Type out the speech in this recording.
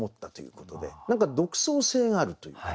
何か独創性があるというのかな。